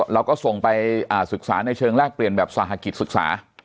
เราก็ส่งไปศึกษาในเชิงแลกเปลี่ยนแบบสหกิจศึกษา